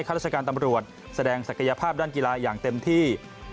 ราชการตำรวจแสดงศักยภาพด้านกีฬาอย่างเต็มที่